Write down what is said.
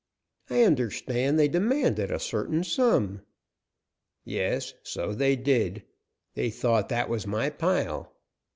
"I understand they demanded a certain sum." "Yes, so they did. They thought that was my pile.